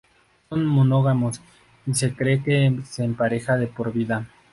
Son monógamos, y se cree que se emparejan de por vida.